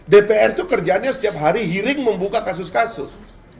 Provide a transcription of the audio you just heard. dpr itu kerjaannya setiap hari hearing membuka kasus kasus